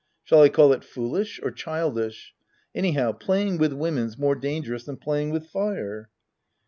Shall I call it foolish ? Or childish ? Any how, playing with women's more dangerous than playing with fire